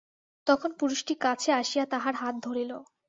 তখন পুরুষটি কাছে আসিয়া তাহার হাত ধরিল।